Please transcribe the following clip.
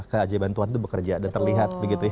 keajaiban tuhan itu bekerja dan terlihat